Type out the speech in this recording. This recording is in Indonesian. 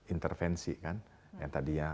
intervensi kan yang tadinya